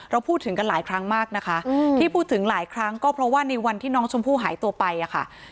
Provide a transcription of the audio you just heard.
พูดถึงกันหลายครั้งมากนะคะที่พูดถึงหลายครั้งก็เพราะว่าในวันที่น้องชมพู่หายตัวไปอะค่ะ